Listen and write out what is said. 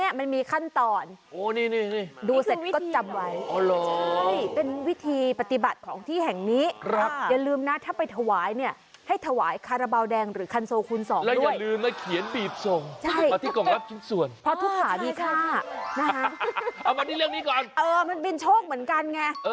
เออมันเป็นโชคเหมือนกันไง